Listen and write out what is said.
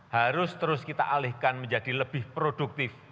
harus terus kita alihkan menjadi lebih produktif